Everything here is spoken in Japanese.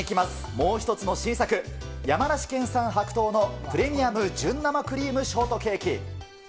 もう一つの新作、山梨県産白桃のプレミアム純生クリームショートケーキ。